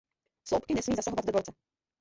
Sloupky nesmí zasahovat do dvorce.